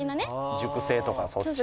熟成とかそっち？